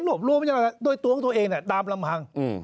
รวบรวมอย่างไรด้วยตัวของตัวเองดามลำหัง